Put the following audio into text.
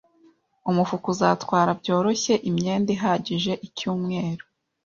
Umufuka uzatwara byoroshye imyenda ihagije icyumweru